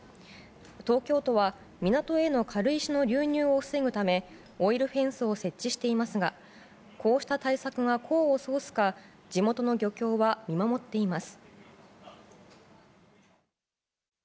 東京都は港への軽石の流入を防ぐためオイルフェンスを設置していますがこうした対策が功を奏すか地元の漁協は見守っています。